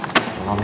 selamat malam ya